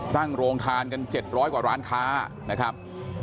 โรงทานกัน๗๐๐กว่าร้านค้านะครับ